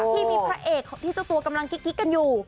ที่มีพระเอกที่เจ้าตัวกำลังกิ๊กกันอยู่